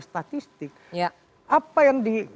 statistik apa yang di